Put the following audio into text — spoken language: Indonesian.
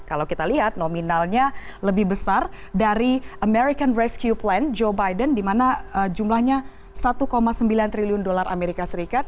kalau kita lihat nominalnya lebih besar dari american rescue plan joe biden di mana jumlahnya satu sembilan triliun dolar amerika serikat